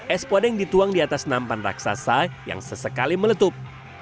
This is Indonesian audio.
es podeng dituang di atas nampan raksasa yang sesekali meletup